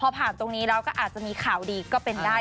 พอผ่านตรงนี้แล้วก็อาจจะมีข่าวดีก็เป็นได้